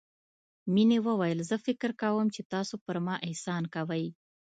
مينې وويل زه فکر کوم چې تاسو پر ما احسان کوئ.